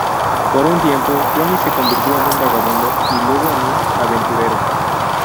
Por un tiempo, Johnny se convirtió en un vagabundo y luego en un aventurero.